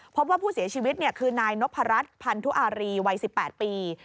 พบว่าผู้เสียชีวิตคือนายนพรัชพันธุอารีวัย๑๘ปี